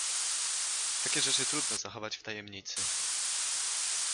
Takie rzeczy trudno zachować w tajemnicy…